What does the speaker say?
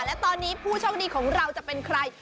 และตอนนี้ผู้โชคดีของเราจะเป็นใคร